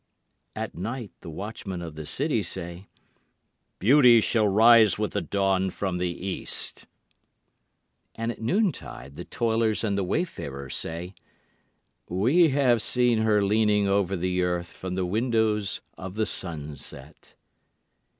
At night the watchmen of the city say, "Beauty shall rise with the dawn from the east." And at noontide the toilers and the wayfarers say, "We have seen her leaning over the earth from the windows of the sunset."